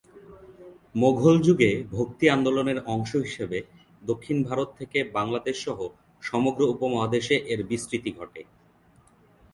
মোঘল যুগে ভক্তি আন্দোলনের অংশ হিসেবে দক্ষিণ ভারত থেকে বাংলাদেশসহ সমগ্র উপমহাদেশে এর বিস্তৃতি ঘটে।